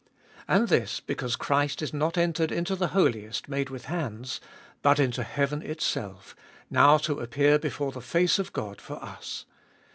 And this because Christ is not entered into the Holiest, made with hands, but into heaven itself, now to appear before the face of God for us.